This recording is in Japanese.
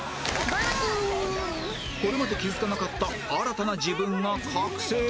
これまで気付かなかった新たな自分が覚醒？